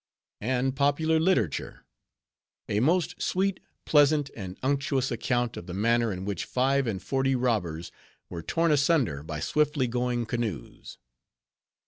And popular literature:— "A most Sweet, Pleasant, and Unctuous Account of the Manner in which Five and Forty Robbers were torn asunder by Swiftly Going Canoes."